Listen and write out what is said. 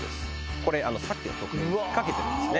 これさっきの曲に引っ掛けてるんですね。